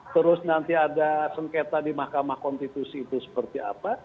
terus nanti ada sengketa di mahkamah konstitusi itu seperti apa